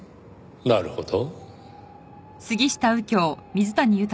なるほど。